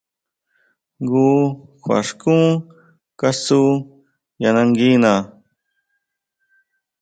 Njun kjua xkún kasu ya nanguina.